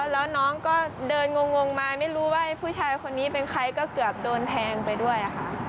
แล้วน้องก็เดินงงมาไม่รู้ว่าผู้ชายคนนี้เป็นใครก็เกือบโดนแทงไปด้วยค่ะ